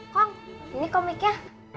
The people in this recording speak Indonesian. kong ini komiknya